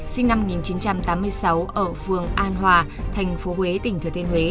sinh năm một nghìn chín trăm tám mươi sáu ở phường an hòa thành phố huế tỉnh thừa thiên huế